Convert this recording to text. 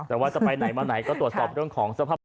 แต่ว่าจะไปไหนมาไหนก็ตรวจสอบเรื่องของสภาพ